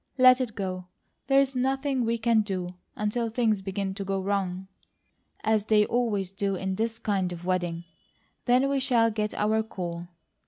Let it go! There's nothing we can do, until things begin to go WRONG, as they always do in this kind of wedding; then we shall get our call.